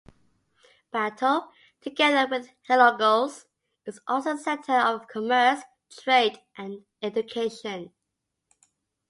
Bato, together with Hilongos, is also a center of commerce, trade and education.